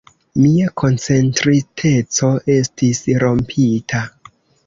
Mia koncentriteco estis rompita.